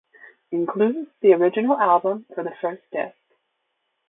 Includes the original album for the first disc.